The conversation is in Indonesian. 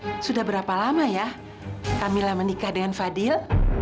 oh ya sudah berapa lama ya kamila menikah dengan fadhil